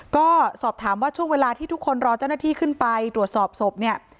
ก็สอบถามว่าช่วงเวลาที่ทุกคนรอเจ้าหน้าที่ขึ้นไปตรวจสอบศพเนี่ย